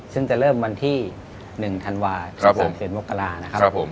ซึ่งจะเริ่มบันที่๑ธันวาค์สถานที่อันตราฮาลนะครับ